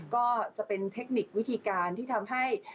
ก็จะเป็นเทคนิควิธีการที่ทำให้